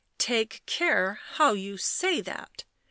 " Take care how you say that.